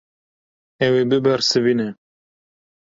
Ew ê bibersivîne.